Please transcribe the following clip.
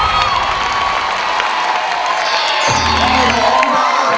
หลงงานสู่หลงงาน